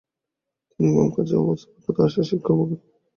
তিনি ইমাম কাজী আয়াজ-এর বিখ্যাত আশ শিফা গ্রন্থটির ভাষ্য লিখেন।